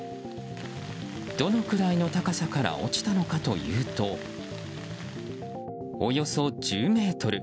どのくらいの高さから落ちたのかというとおよそ１０ｍ。